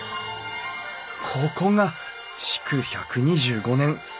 ここが「築１２５年！